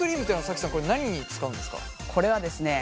これはですね